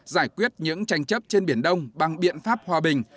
giải quyết những tranh chấp trên biển đông bằng biện pháp hòa bình